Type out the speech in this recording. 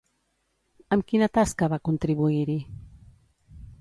Amb quina tasca va contribuir-hi?